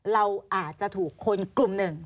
เราอาจจะถูกคนกลุ่มหนึ่ง